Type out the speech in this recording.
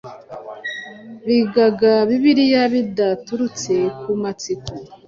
Bigaga Bibiliya bidaturutse ku matsiko,